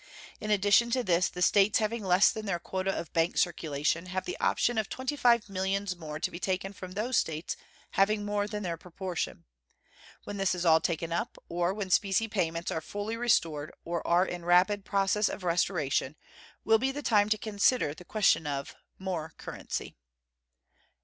In addition to this the States having less than their quota of bank circulation have the option of twenty five millions more to be taken from those States having more than their proportion. When this is all taken up, or when specie payments are fully restored or are in rapid process of restoration, will be the time to consider the question of "more currency."